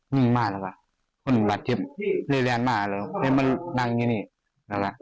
ดูไปเจอกับหมอลำเนี่ยดูชั้นมีเรื่องกันนะครับ